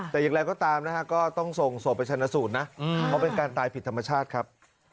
แต่อย่างไรก็ตามนะฮะก็ต้องส่งศพไปชนะสูตรนะเพราะเป็นการตายผิดธรรมชาติครับ